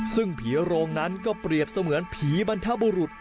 ซึ่งผีโรงนั้นก็เปรียบเสมือนผีบรรทบุรุษ